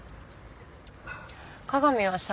加賀美はさ。